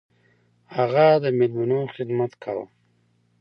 هغه د میلمنو خدمت کاوه.